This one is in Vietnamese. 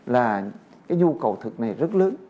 là cái nhu cầu thực này rất lớn